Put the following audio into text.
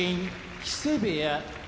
木瀬部屋